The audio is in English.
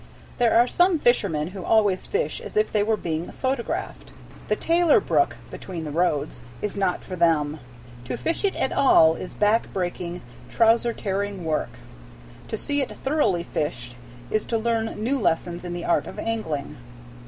There are some fishermen who always fish as if they were being photographed. The Taylor Brook "between the roads" is not for them. To fish it at all is back breaking, trouser tearing work; to see it thoroughly fished is to learn new lessons in the art of angling.